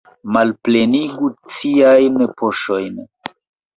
Malplenigu ciajn poŝojn!